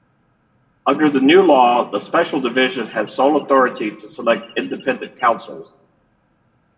Under the new law, the Special Division had sole authority to select Independent Counsels.